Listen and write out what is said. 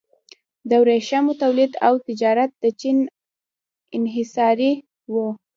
د ورېښمو تولید او تجارت د چین انحصاري و.